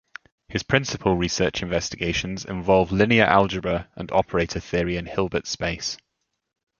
His principal research investigations involve linear algebra and operator theory in Hilbert space.